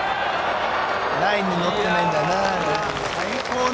ラインに乗っていないんだな。